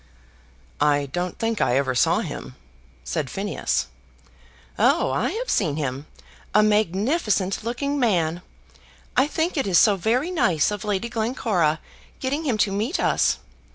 "I don't think I ever saw him," said Phineas. "Oh, I have seen him, a magnificent looking man! I think it is so very nice of Lady Glencora getting him to meet us.